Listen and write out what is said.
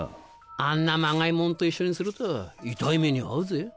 あんなまがい物と一緒にすると痛い目に遭うぜ。